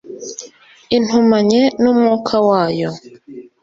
intumanye n umwuka wayo